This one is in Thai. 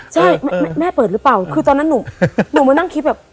ใช่แม่เปิดหรือเปล่าคือตอนนั้นหนูมานั่งคิดแบบ